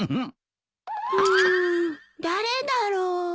うん誰だろう。